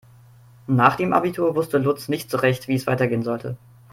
Nach dem Abitur wusste Lutz nicht so recht, wie es weitergehen sollte.